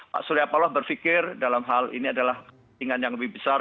pak suryapaloh berfikir dalam hal ini adalah kepentingan yang lebih besar